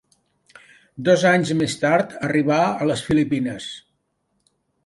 Dos anys més tard arribà a les Filipines.